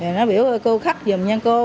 rồi nó biểu cô khắc giùm nhanh cô